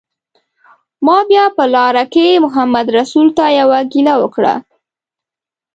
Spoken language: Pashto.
ما بیا په لاره کې محمدرسول ته یوه ګیله وکړه.